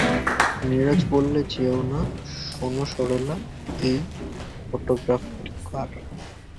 নীরজা বললে, যেয়ো না, শোনো সরলা, এই ফোটোগ্রাফটা কার।